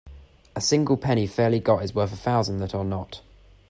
A single penny fairly got is worth a thousand that are not.